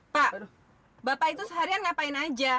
pak bapak itu seharian ngapain aja